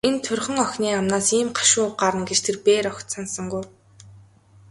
Энэ турьхан охины амнаас ийм гашуун үг гарна гэж тэр бээр огт санасангүй.